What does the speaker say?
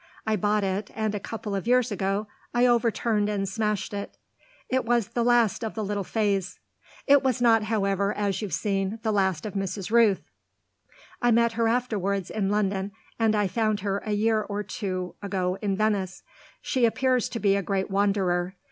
I bought it and a couple of years ago I overturned and smashed it. It was the last of the little phase. It was not, however, as you've seen, the last of Mrs. Rooth. I met her afterwards in London, and I found her a year or two ago in Venice. She appears to be a great wanderer.